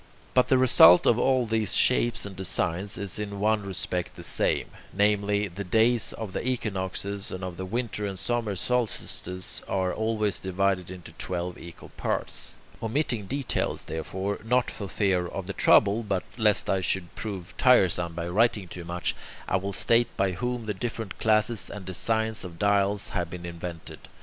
But the result of all these shapes and designs is in one respect the same: namely, the days of the equinoxes and of the winter and summer solstices are always divided into twelve equal parts. Omitting details, therefore, not for fear of the trouble, but lest I should prove tiresome by writing too much, I will state by whom the different classes and designs of dials have been invented.